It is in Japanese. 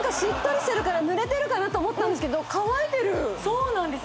そうなんです